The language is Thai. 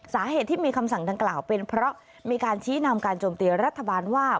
สาเหตุที่มีคำสั่งดังกล่าวเป็นเพราะมีการชี้นำการโจมตีรัฐบาลว่า